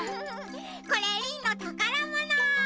これリンのたからもの！